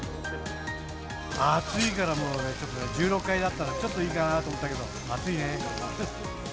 暑いからもう、１６階だったら、ちょっといいかなと思ったけど、暑いね。